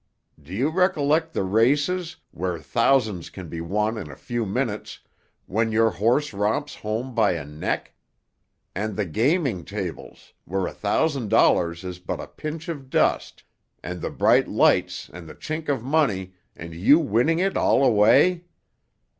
Do you recollect the races, where thousands can be won in a few minutes, when your horse romps home by a neck? And the gaming tables, where a thousand dollars is but a pinch of dust, and the bright lights and the chink of money and you winning it all away?